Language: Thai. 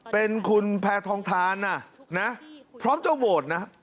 เป็นคุณแพทองทานนะพร้อมจะโหวตนะ